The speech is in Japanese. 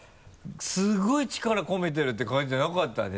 すごい力込めてるって感じじゃなかったね。